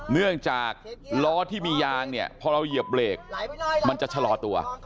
เนื่องจากล้อที่มียางเนี่ยพอเราเหยียบเบรกมันจะชะลอตัว